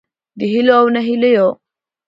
د هیلو او نهیلیو